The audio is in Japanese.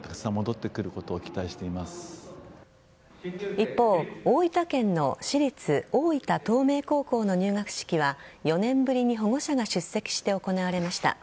一方、大分県の私立大分東明高校の入学式は４年ぶりに保護者が出席して行われました。